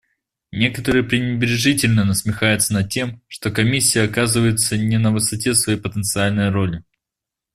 Некоторые пренебрежительно насмехаются над тем, что Комиссия оказывается не на высоте своей потенциальной роли.